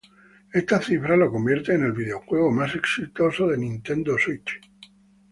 Estas cifras lo convirtieron en el videojuego más exitoso de Nintendo Switch.